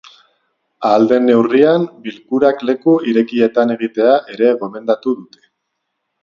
Ahal den neurrian bilkurak leku irekietan egitea ere gomendatu dute.